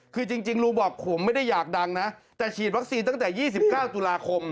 คือจริงลุงบอกผมไม่ได้อยากดังนะแต่ฉีดวัคซีนตั้งแต่๒๙ตุลาคม